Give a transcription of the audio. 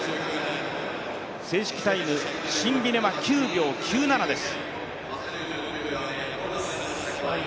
正式タイム、シンビネは９秒９７です。